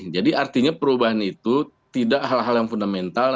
jadi artinya perubahan itu tidak hal hal yang fundamental